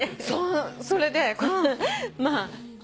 それでまあ。